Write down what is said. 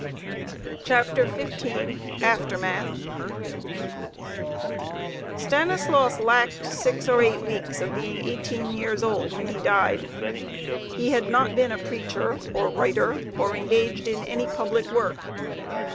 CHAPTER XV AFTERMATH Stanislaus lacked six or eight weeks of being eighteen years old when he died. He had not been a preacher or writer or engaged in any public work.